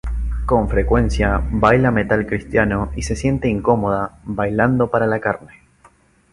Con frecuencia baila metal cristiano, y se siente incómoda "bailando para la carne".